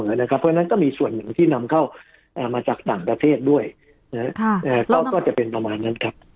เพราะฉะนั้นก็มีส่วนหนึ่งที่นำเข้ามาจากต่างประเทศด้วยก็จะเป็นประมาณนั้นครับ